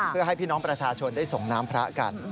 เพื่อให้พี่น้องประชาชนได้ส่งน้ำพระกัน